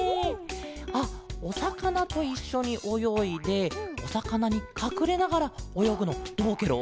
あっおさかなといっしょにおよいでおさかなにかくれながらおよぐのどうケロ？